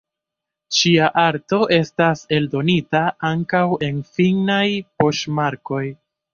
Ŝia arto estas eldonita ankaŭ en finnaj poŝtmarkoj.